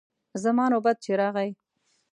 زما نوبت چې راغی.